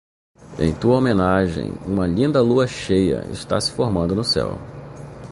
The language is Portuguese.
Em tua homenagem, uma linda Lua cheia está se formando no céu.